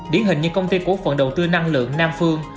điển hình như công ty cổ phần đầu tư năng lượng nam phương